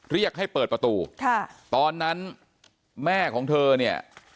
เรียกให้เปิดประตูค่ะตอนนั้นแม่ของเธอเนี่ย